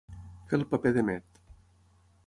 Fer el paper de met.